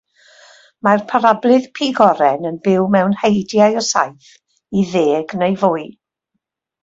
Mae'r parablydd pig oren yn byw mewn heidiau o saith i ddeg neu fwy.